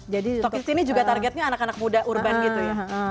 jadi stokis ini juga targetnya anak anak muda urban gitu ya